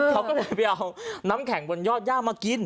เขาก็เลยไปเอาน้ำแข็งบนยอดย่ามากิน